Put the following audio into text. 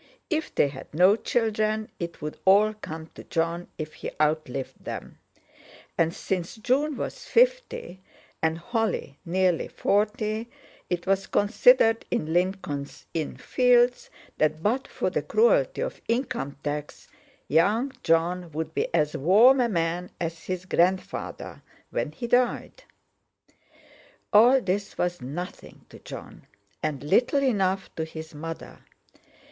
If they had no children, it would all come to Jon if he outlived them; and since June was fifty, and Holly nearly forty, it was considered in Lincoln's Inn Fields that but for the cruelty of income tax, young Jon would be as warm a man as his grandfather when he died. All this was nothing to Jon, and little enough to his mother.